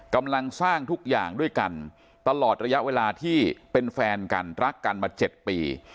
กำลังสร้างทุกอย่างด้วยกันตลอดระยะเวลาที่เป็นแฟนกันรักกันมา๗ปี